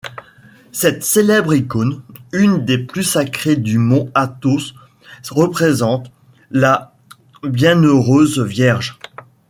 Cette célèbre icône, une des plus sacrées du mont Athos représente la Bienheureuse vierge.